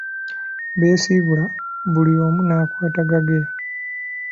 Beesiibula, buli omu n'akwata agage.